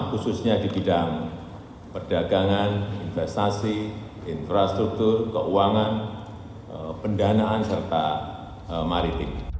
khususnya di bidang perdagangan investasi infrastruktur keuangan pendanaan serta maritim